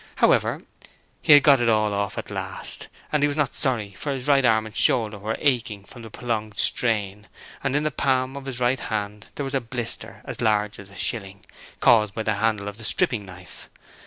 However, he had got it all off at last, and he was not sorry, for his right arm and shoulder were aching from the prolonged strain and in the palm of the right hand there was a blister as large as a shilling, caused by the handle of the stripping knife.